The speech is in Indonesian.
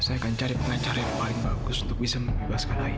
saya akan cari pengajar yang paling bagus untuk bisa membebaskan lagi